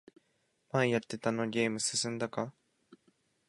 前やってたあのゲーム進んだか？